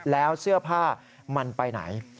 แล้วเสื้อผ้ามันไปไหน